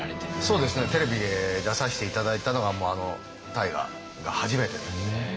そうですねテレビで出させて頂いたのがあの大河が初めてで。